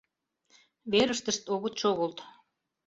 Верыштышт огыт шогылт.